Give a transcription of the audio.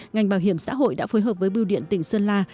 ngành bảo hiểm xã hội đã phối hợp với biêu điện tỉnh sơn la